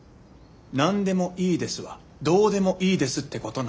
「なんでもいいです」は「どうでもいいです」ってことなの。